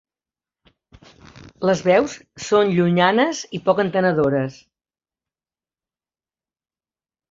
Les veus són llunyanes i poc entenedores.